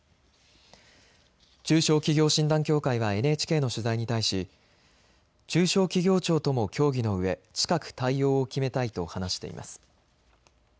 中小企業診断協会はＮＨＫの取材に対し中小企業庁とも協議のうえ近く対応を決めたいと話しています。